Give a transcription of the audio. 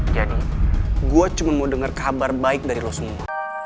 gue cuma mau dengar kabar baik dari lo semua